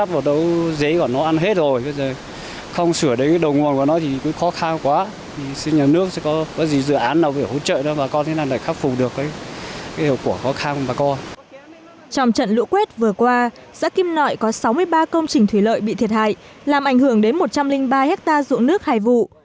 trong trận lũ quét vừa qua xã kim nội có sáu mươi ba công trình thủy lợi bị thiệt hại làm ảnh hưởng đến một trăm linh ba hectare dụng nước hai vụ